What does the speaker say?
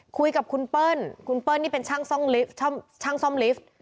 คุยกับคุณเปิ้ลคุณเปิ้ลนี่เป็นช่างซ่อมลิฟต์